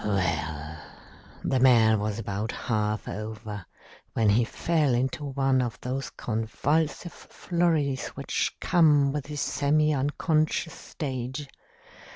"Well, the man was about half over when he fell into one of those convulsive flurries which come with the semi unconscious stage.